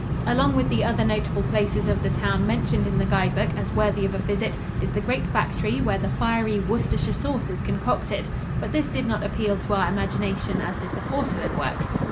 Along with the other notable places of the town mentioned in the guide book as worthy of a visit is the great factory where the fiery Worcestershire sauce is concocted, but this did not appeal to our imagination as did the porcelain works.